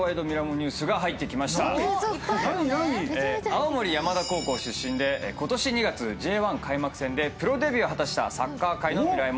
青森山田高校出身で今年２月Ｊ１開幕戦でプロデビューを果たしたサッカー界のミライ☆